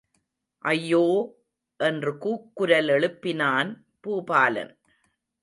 ஐயோ! என்று கூக்குரலெழுப்பினான் பூபாலன்.